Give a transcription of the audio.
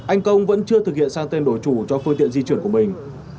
anh công vẫn chưa thực hiện sang tên đổi chủ cho phương tiện di chuyển của mình